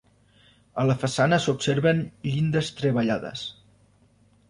A la façana s'observen llindes treballades.